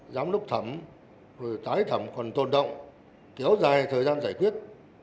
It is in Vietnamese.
giám lốc thẩm rồi tái thẩm còn tồn động kéo dài thời gian giải quyết